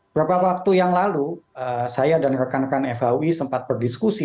beberapa waktu yang lalu saya dan rekan rekan faui sempat berdiskusi